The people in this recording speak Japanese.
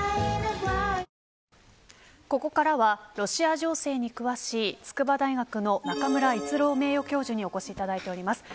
ここからはロシア情勢に詳しい筑波大学の中村逸郎名誉教授にお越しいただいています。